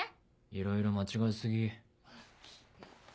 いろいろ間違い過ぎ。